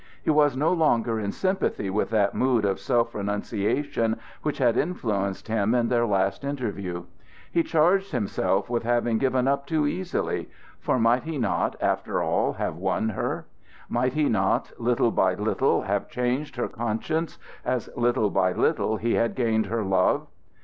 He was no longer in sympathy with that mood of self renunciation which had influenced him in their last interview. He charged himself with having given up too easily; for might he not, after all, have won her? Might he not, little by little, have changed her conscience, as little by little he had gained her love?